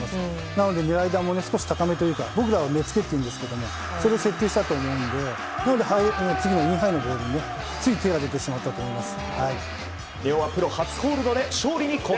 なので狙い球も少し高めというか僕らネツケというんですがそれを設定したと思うので次のインハイのボールについ手が出てしまったんだと思います。